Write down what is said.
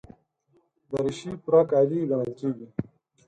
دریشي پوره کالي ګڼل کېږي.